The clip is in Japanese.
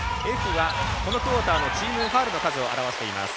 Ｆはこのクオーターのチームファウルの数を表しています。